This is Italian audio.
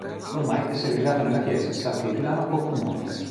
Ormai è segregato nella chiesa e sa che di là non può più muoversi.